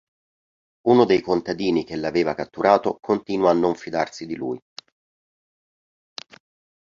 Uno dei contadini che l'aveva catturato continua a non fidarsi di lui.